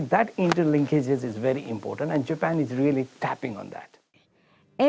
saya pikir perhubungan itu sangat penting dan jepang benar benar mengembangkan itu